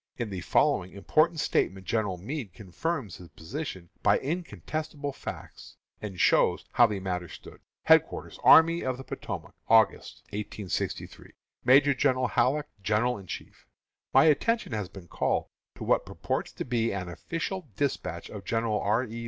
In the following important statement General Meade confirms his position by incontestable facts, and shows how the matter stood: HEADQUARTERS ARMY OF THE POTOMAC, Aug. , 1863. Major General Halleck, General in Chief: My attention has been called to what purports to be an official despatch of General R. E.